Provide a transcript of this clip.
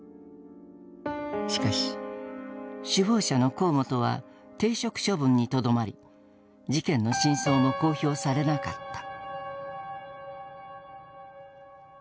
しかし首謀者の河本は停職処分にとどまり事件の真相も公表されなかった。